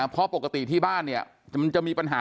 เพราะปกติที่บ้านเนี่ยมันจะมีปัญหา